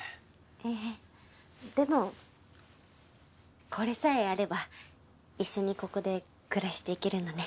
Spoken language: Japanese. えぇでもこれさえあれば一緒にここで暮らしていけるのね。